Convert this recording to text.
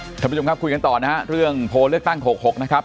ท่านผู้ชมครับคุยกันต่อนะฮะเรื่องโพลเลือกตั้ง๖๖นะครับ